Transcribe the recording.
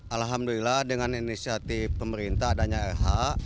alhamdulillah dengan inisiatif pemerintah adanya rh